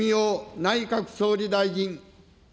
内閣総理大臣。